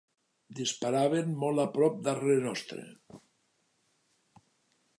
Disparaven molt a prop darrere nostre